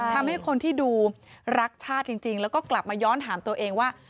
ทำให้คนที่ดูรักชาติจริงแล้วก็กลับมาย้อนถามตัวเองว่า